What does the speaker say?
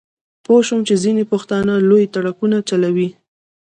پوی شوم چې ځینې پښتانه لوی ټرکونه چلوي.